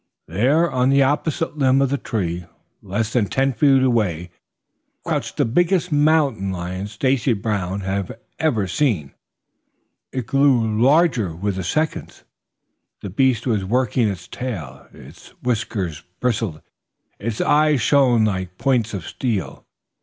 There on the opposite limb of the tree, less than ten feet away, crouched the biggest mountain lion Stacy Brown ever had seen. And it grew larger with the seconds. The beast was working its tail, its whiskers bristled, its eyes shone like points of steel.